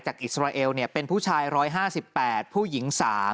อิสราเอลเป็นผู้ชาย๑๕๘ผู้หญิง๓